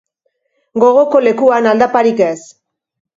Gogoko lekuan, aldaparik ez.